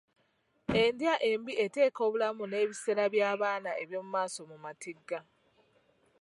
Endya embi eteeka obulamu n'ebiseera by'abaana eby'omu maaso mu matigga.